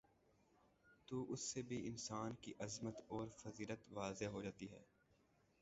تو اس سے بھی انسان کی عظمت اور فضیلت واضح ہو جاتی ہے